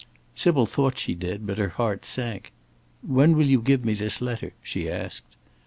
Sybil thought she did, but her heart sank. "When shall you give me this letter?" she asked.